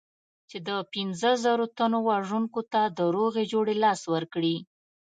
چې د پنځو زرو تنو وژونکي ته د روغې جوړې لاس ورکړي.